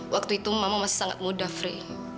waktu itu mama masih sangat muda free